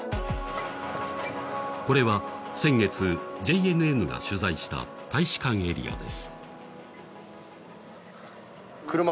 これは先月、ＪＮＮが取材した大使館エリアです。